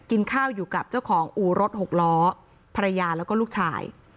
กินข้าวอยู่กับเจ้าของอู่รถหกล้อภรรยาแล้วก็ลูกชาย